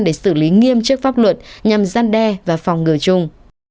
để xử lý nghiêm chức pháp luật nhằm gian đe và phòng ngừa chung